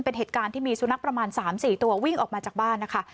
เป็นเหตุการณ์ที่มีสุนัขประมาณ๓๔ตัววิ่งออกมาจากบ้านนะคะ